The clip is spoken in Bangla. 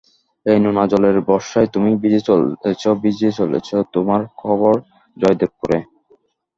এই নোনাজলের বর্ষায় তুমি ভিজে চলেছ ভিজে চলেছে তোমার কবর, জয়দেবপুরে।